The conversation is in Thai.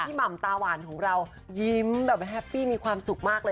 ที่ม่ำตาหวานของเรายิ้มแบบง่ายเฮฟมี่ความความสุขมากเลย